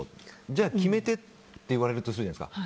じゃあ、決めてって言われるとするじゃないですか。